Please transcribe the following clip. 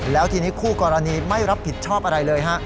แล้วทีนี้คู่กรณีไม่รับผิดชอบอะไรเลยฮะ